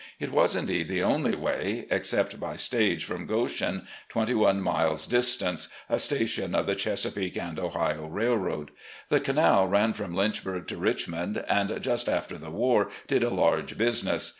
It was indeed the only way, except by stage from Goshen, twenty one miles distant, a station of the Chesapeake & Ohio R. R. The canal ran from Lynch burg to Richmond, and just after the war did a large business.